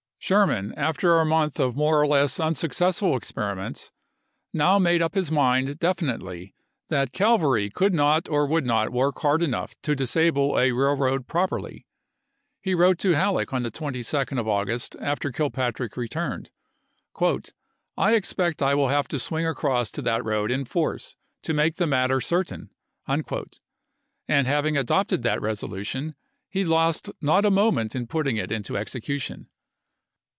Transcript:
Sherman, after a month of more or less unsuc cessful experiments, now made up his mind defi nitely that cavalry could not or would not work hard enough to disable a railroad properly. He wrote to Halleck on the 22d of August after Kil ism. patrick returned, "I expect I will have to swing across to that road in force to make the matter certain" ; and having adopted that resolution, he lost not a moment in putting it into execution.